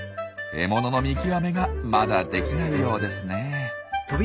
獲物の見極めがまだできないようですね。